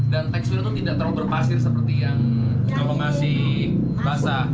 dan teksturnya tuh tidak terlalu berpasir seperti yang masih basah